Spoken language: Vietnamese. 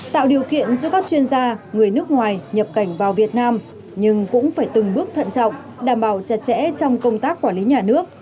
tạo điều kiện cho các chuyên gia người nước ngoài nhập cảnh vào việt nam nhưng cũng phải từng bước thận trọng đảm bảo chặt chẽ trong công tác quản lý nhà nước